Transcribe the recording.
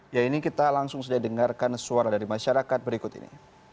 ya ini kita langsung saja dengarkan suara dari masyarakat berikut ini